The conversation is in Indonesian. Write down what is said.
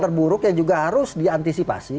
terburuk yang juga harus diantisipasi